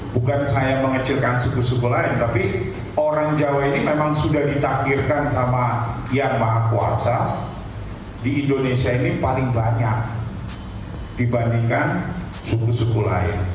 bukan saya mengecilkan suku suku lain tapi orang jawa ini memang sudah ditakdirkan sama yang maha kuasa di indonesia ini paling banyak dibandingkan suku suku lain